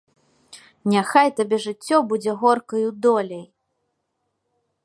Няхай табе жыццё будзе горкаю доляй.